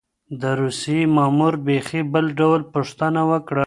د روسيې مامور بېخي بل ډول پوښتنه وکړه.